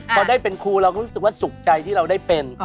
พอได้เป็นครูเราก็รู้สึกว่าสุขใจที่เราได้เป็น